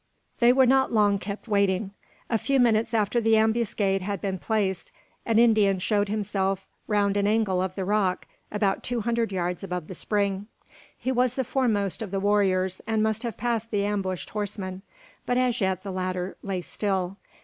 They were not long kept waiting. A few minutes after the ambuscade had been placed, an Indian showed himself round an angle of the rock, about two hundred yards above the spring. He was the foremost of the warriors, and must have passed the ambushed horsemen; but as yet the latter lay still.